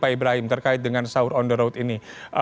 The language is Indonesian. pak ibrahim terkait dengan sahur on the road ini